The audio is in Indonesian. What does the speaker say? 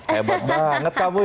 hebat banget kamu ya